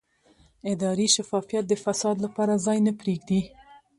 اداري شفافیت د فساد لپاره ځای نه پرېږدي